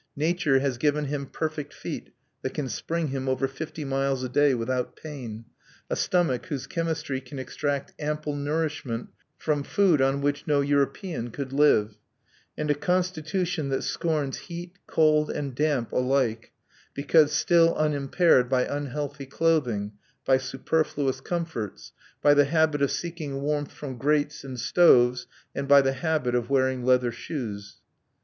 Nature has given him perfect feet that can spring him over fifty miles a day without pain; a stomach whose chemistry can extract ample nourishment from food on which no European could live; and a constitution that scorns heat, cold, and damp alike, because still unimpaired by unhealthy clothing, by superfluous comforts, by the habit of seeking warmth from grates and stoves, and by the habit of wearing leather shoes.